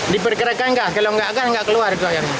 diperkirakan gas kalau tidak akan tidak keluar